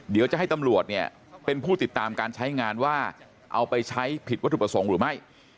เดี๋ยวจะให้ตำรวจเนี่ยเป็นผู้ติดตามการใช้งานว่าเอาไปใช้ผิดวัตถุประสงค์หรือไม่